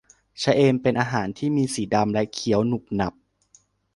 ชะเอมเป็นอาหารที่มีสีดำและเคี้ยวหนุบหนับ